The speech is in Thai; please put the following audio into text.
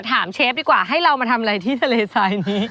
เชฟดีกว่าให้เรามาทำอะไรที่ทะเลทรายนี้